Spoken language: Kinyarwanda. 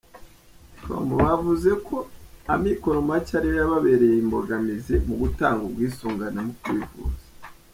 com bavuzeko amikoro make ariyo yababereye imbogamizi mu gutanga ubwisungane mu kwivuza.